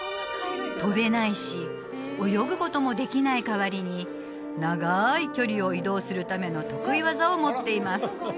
跳べないし泳ぐこともできない代わりに長い距離を移動するための得意技を持っています